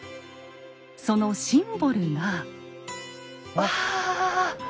そのシンボルが。うわ！